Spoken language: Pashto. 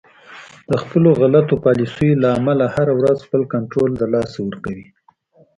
د خپلو غلطو پالیسیو له امله هر ورځ خپل کنترول د لاسه ورکوي